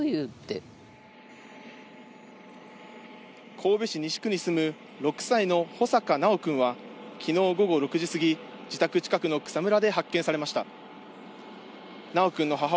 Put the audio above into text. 神戸市西区に住む６歳の穂坂修くんはきのう午後６時過ぎ、自宅近くの草むらで発見されました。